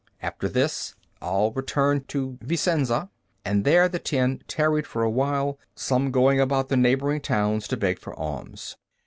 After this, all returned to Vicenza, and there the ten tarried for a while, some going about the neighboring towns to beg for alms.